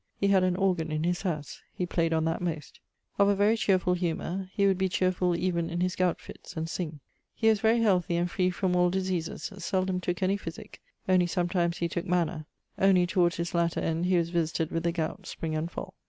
He had an organ in his howse: he played on that most. Of a very cheerfull humour. He would be chear full even in his gowte fitts, and sing. He was very healthy and free from all diseases: seldome tooke any physique (only sometimes he tooke manna): only towards his latter end he was visited with the gowte, spring and fall.